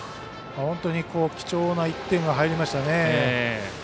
本当に貴重な１点が入りましたね。